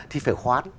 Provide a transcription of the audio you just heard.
thì phải khoán